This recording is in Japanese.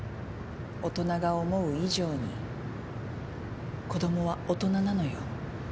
大人が思う以上に子供は大人なのよ。